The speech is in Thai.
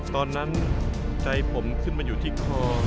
ตอนนั้นใจผมขึ้นมาอยู่ที่คอ